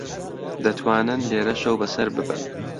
دەتوانن لێرە شەو بەسەر ببەن.